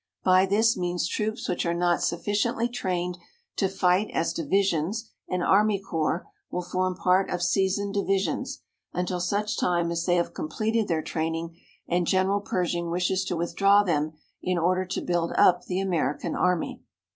"By this means troops which are not sufficiently trained to fight as divisions and army corps will form part of seasoned divisions, until such time as they have completed their training and General Pershing wishes to withdraw them in order to build up the American Army.